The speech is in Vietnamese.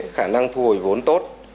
khả năng thu hồi vốn tốt